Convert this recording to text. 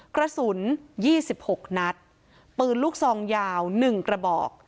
กระสุนยี่สิบหกนัดปืนลูกซองยาวหนึ่งกระบอก